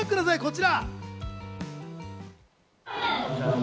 こちら！